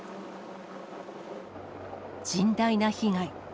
甚大な被害。